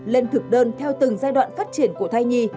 lên thực đơn theo từng giai đoạn phát triển của thai nhi